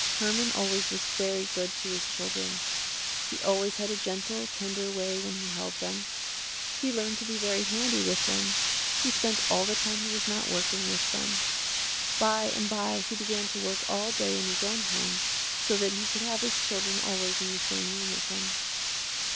Herman always was very good to his children. He always had a gentle, tender way when he held them. He learned to be very handy with them. He spent all the time he was not working, with them. By and by he began to work all day in his own home so that he could have his children always in the same room with him.